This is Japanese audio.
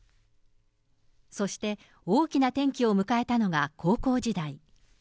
そして、大きな転機を迎えたのが高校時代。